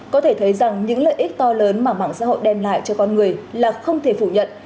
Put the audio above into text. có thể thấy rằng những lợi ích to lớn mà mạng xã hội đem lại cho con người là không thể phủ nhận